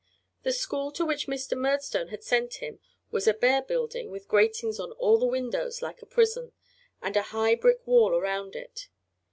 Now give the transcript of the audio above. The school to which Mr. Murdstone had sent him was a bare building with gratings on all the windows like a prison, and a high brick wall around it.